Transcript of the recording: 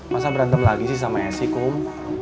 masa berantem lagi sih sama acing kum